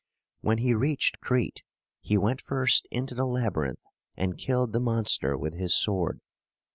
When he reached Crete, he went first into the Labyrinth, and killed the monster with his sword.